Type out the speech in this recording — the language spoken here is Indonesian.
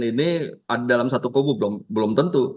ini dalam satu kubu belum tentu